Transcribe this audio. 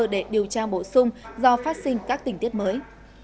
để điều tra bổ sung do phát sinh các tình tiết mới